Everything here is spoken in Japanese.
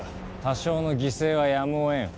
多少の犠牲はやむをえん。